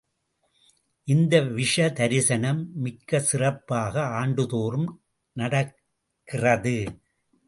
இந்த விஷு தரிசனம், மிக்க சிறப்பாக ஆண்டுதோறும் நடக்கிறது.